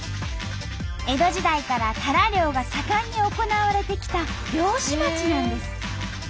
江戸時代からタラ漁が盛んに行われてきた漁師町なんです。